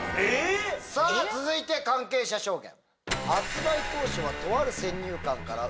さぁ続いて関係者証言。